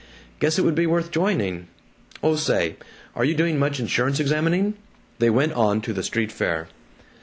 Guess it would be worth joining. Oh say, are you doing much insurance examining?" They went on to the street fair.